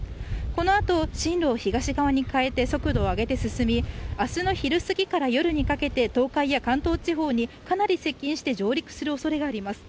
このあと進路を東側に変えて速度を上げて進み明日の昼過ぎから夜にかけて東海や関東近くに上陸する恐れがあります。